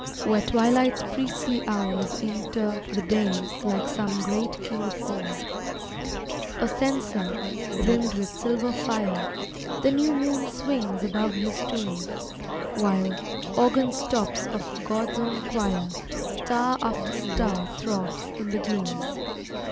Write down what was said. Where twilight's priestly hours inter The day like some great king of old, A censer, rimmed with silver fire, The new moon swings above his tomb; While, organ stops of God's own choir, Star after star throbs in the gloom.